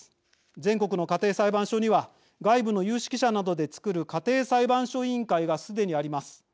全国の家庭裁判所には外部の有識者などでつくる家庭裁判所委員会がすでにあります。